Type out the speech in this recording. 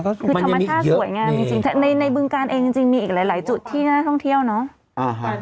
คือธรรมชาติสวยงามจริงในบึงการเองจริงมีอีกหลายจุดที่น่าท่องเที่ยวเนอะ